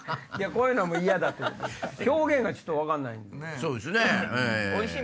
こういうのは嫌だ表現がちょっと分かんない。